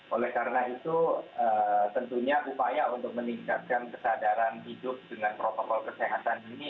oleh karena itu tentunya upaya untuk meningkatkan kesadaran hidup dengan protokol kesehatan ini